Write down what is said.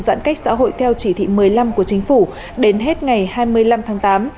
giãn cách xã hội theo chỉ thị một mươi năm của chính phủ đến hết ngày hai mươi năm tháng tám